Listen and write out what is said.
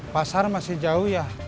pasar masih jauh ya